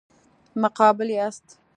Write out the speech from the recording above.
مقابل یاست.